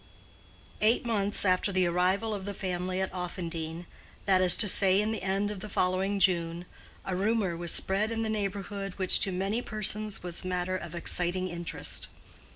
Eight months after the arrival of the family at Offendene, that is to say in the end of the following June, a rumor was spread in the neighborhood which to many persons was matter of exciting interest.